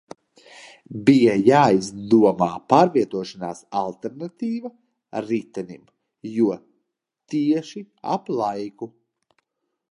Bija jāizdomā pārvietošanās alternatīva ritenim, jo tieši ap laiku.